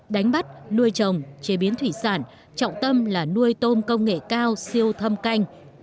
đánh bắt nuôi trồng chế biến thủy sản trọng tâm là nuôi tôm công nghệ cao siêu thâm canh